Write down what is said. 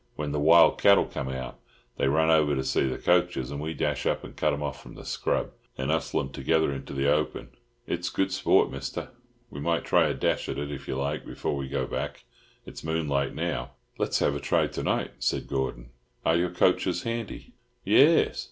When the wild cattle come out, they run over to see the coachers, and we dash up and cut 'em off from the scrub, and hustle 'em together into the open. It's good sport, Mister. We might try a dash at it, if you like, before we go back; it's moonlight now." "Let's have a try to night" said Gordon. "Are your coachers handy?" "Yairs.